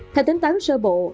theo tính toán sơ bộ